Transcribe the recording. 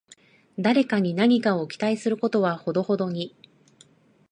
誰かに何かを期待することはほどほどに